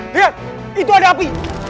lihat itu ada api